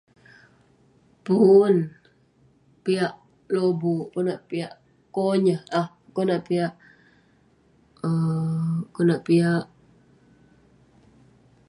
pun, piak lobuk konak piak konyah, konak piak um konak piak..